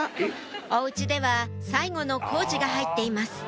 お家では最後の工事が入っています